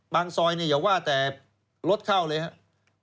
บางซอยนี่อย่าว่าแต่ลดเข้าเลยครับ